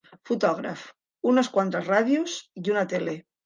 Fotògrafs, unes quantes ràdios i una tele.